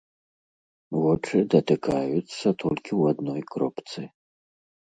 Вочы датыкаюцца толькі ў адной кропцы.